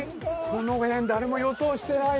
この辺誰も予想してない。